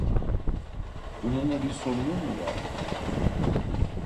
Bununla bir sorunun mu var?